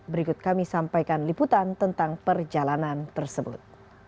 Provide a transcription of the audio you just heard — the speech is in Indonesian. berikut kami sampaikan liputan tentang perjalanan tersebut